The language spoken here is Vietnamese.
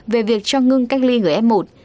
về việc cho ngưng cách ly người f một